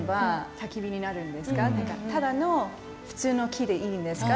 ただの普通の木でいいんですか。